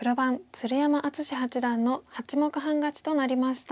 鶴山淳志八段の８目半勝ちとなりました。